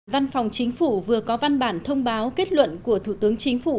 văn phòng chính phủ vừa có văn bản thông báo kết luận của thủ tướng chính phủ